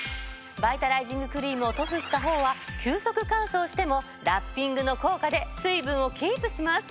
バイタライジングクリームを塗布したほうは急速乾燥してもラッピングの効果で水分をキープします。